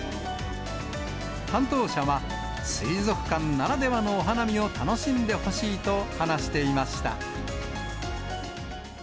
担当者は、水族館ならではのお花見を楽しんでほしいと話していました。